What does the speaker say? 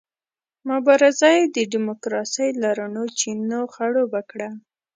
مبارزه یې د ډیموکراسۍ له رڼو چینو خړوبه کړه.